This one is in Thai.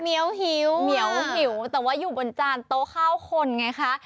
เหนียวหิวเหมียวหิวแต่ว่าอยู่บนจานโต๊ะข้าวคนไงคะ